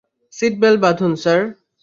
Seat belt বাধুন, sir.